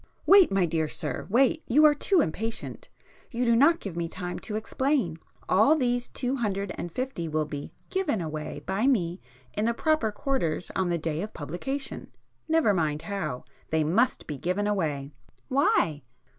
"Wait, my dear sir, wait,—you are too impatient. You do not give me time to explain. All these two hundred and fifty will be given away by me in the proper quarters on the [p 98] day of publication,—never mind how,—they must be given away—" "Why?"